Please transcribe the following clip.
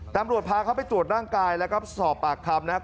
ตำรวจพาเขาไปตรวจร่างกายแล้วก็สอบปากคำนะครับ